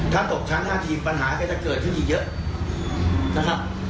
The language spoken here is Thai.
ถ้าตกชั้น๕ทีมปัญหาก็จะเกิดขึ้นอีกเยอะนะครับ